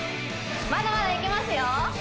まだまだいけますよ